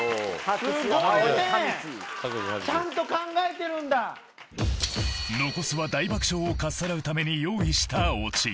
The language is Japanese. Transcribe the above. すごいねちゃんと考えてるんだ残すは大爆笑をかっさらうために用意したオチ